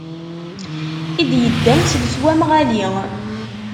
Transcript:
I d-iddan s leswam ɣali.